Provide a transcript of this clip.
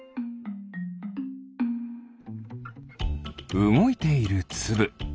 うごいているつぶ。